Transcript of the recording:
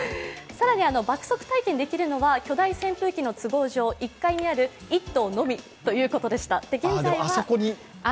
更に爆速体験できるのは巨大扇風機の都合上、１階にある１頭のみということでした。